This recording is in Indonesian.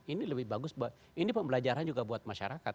ini lebih bagus ini pembelajaran juga buat masyarakat